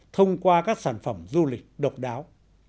thông qua các sản phẩm du lịch độc đáo